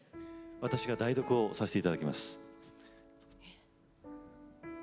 私が代読をさせて頂きます。